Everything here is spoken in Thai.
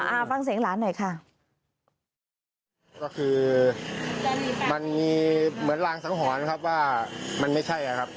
อ้าฟังเสียงด่วนหน่อยค่ะ